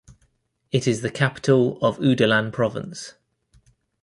It is the capital of Oudalan Province.